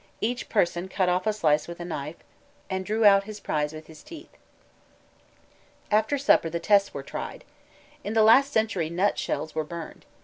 Each person cut off a slice with a knife, and drew out his prize with his teeth. After supper the tests were tried. In the last century nut shells were burned.